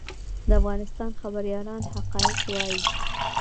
د افغانستان خبریالان حقایق وايي